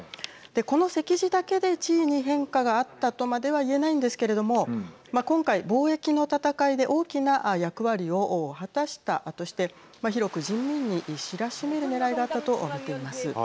この席次だけで地位に変化があったとまでは言えないんですけれども今回、防疫の闘いで大きな役割を果たしたとして広く人民に知らしめるねらいだったと見ています。